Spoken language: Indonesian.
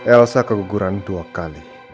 elsa keguguran dua kali